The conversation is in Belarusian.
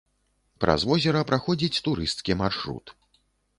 Праз возера праходзіць турысцкі маршрут.